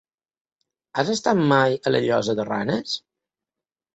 Has estat mai a la Llosa de Ranes?